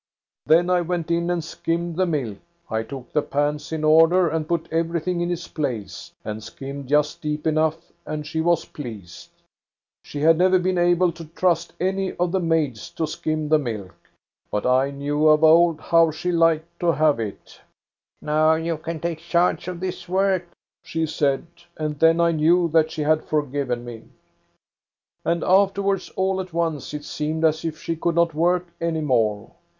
" Then I went in and skimmed the milk. I took the pans in order, and put everything in its place, and skimmed just deep enough, and she was pleased. She had never been able to trust any of the maids to skim the milk ; but I knew of old how she Hked to have it. "* Now you can take charge of this work,' she said. And then I knew that she had forgiven me. And afterwards all at once it seemed as if she could not work any more.